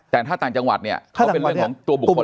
แต่ถ้าต่างจังหวัดเนี่ยเขาเป็นเรื่องของตัวบุคคล